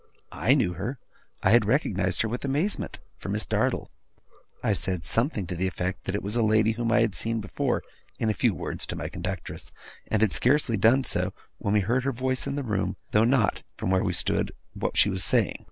I knew her. I had recognized her with amazement, for Miss Dartle. I said something to the effect that it was a lady whom I had seen before, in a few words, to my conductress; and had scarcely done so, when we heard her voice in the room, though not, from where we stood, what she was saying.